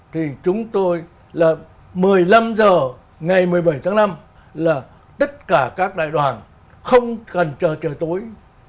thì chúng tôi là một mươi năm h ngày một mươi bảy tháng năm là tất cả các đại đoàn không cần chờ trời tối